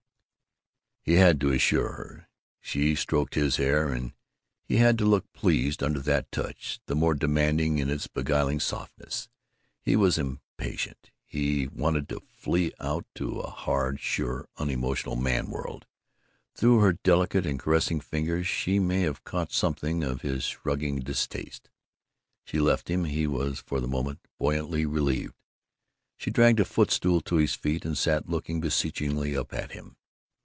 He had to assure her. She stroked his hair, and he had to look pleased under that touch, the more demanding in its beguiling softness. He was impatient. He wanted to flee out to a hard, sure, unemotional man world. Through her delicate and caressing fingers she may have caught something of his shrugging distaste. She left him he was for the moment buoyantly relieved she dragged a footstool to his feet and sat looking beseechingly up at him.